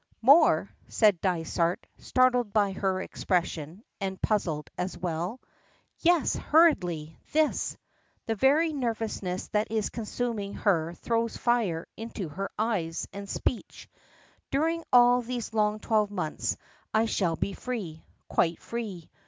"More?" says Dysart startled by her expression, and puzzled as well. "Yes!" hurriedly. "This!" The very nervousness that is consuming her throws fire into her eyes and speech. "During all these long twelve months I shall be free. Quite free.